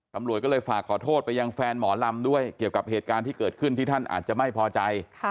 ตำรวจก็เลยฝากขอโทษไปยังแฟนหมอลำด้วยเกี่ยวกับเหตุการณ์ที่เกิดขึ้นที่ท่านอาจจะไม่พอใจ